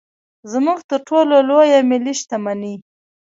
زموږ تر ټولو لویه ملي شتمني.